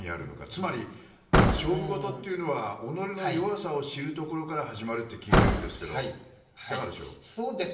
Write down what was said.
つまり、勝負事というのは己の弱さを知るところから始まると聞いてるんですがいかがでしょう。